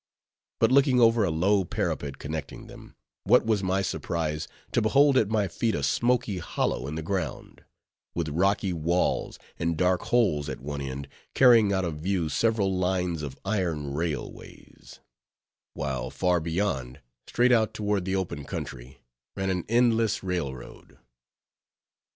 But looking over a low parapet connecting them, what was my surprise to behold at my feet a smoky hollow in the ground, with rocky walls, and dark holes at one end, carrying out of view several lines of iron railways; while far beyond, straight out toward the open country, ran an endless railroad.